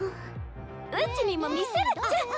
うちにも見せるっちゃ。